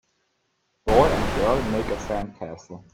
boy and girl make a sand castle